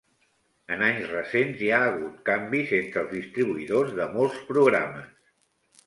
En anys recents, hi ha hagut canvis entres els distribuïdors de molts programes.